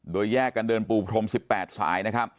โดยแยกกันเดินปูพรม๑๘สาย